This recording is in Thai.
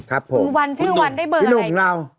คุณวันชื่อวันได้เบอร์อะไร